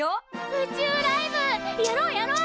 宇宙ライブやろうやろう！